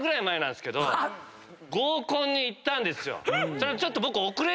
それをちょっと僕。